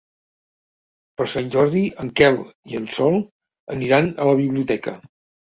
Per Sant Jordi en Quel i en Sol aniran a la biblioteca.